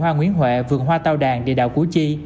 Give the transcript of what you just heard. vườn hoa nguyễn huệ vườn hoa tàu đàn địa đạo củ chi